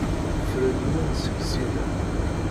Fren yiwen seg sin-a.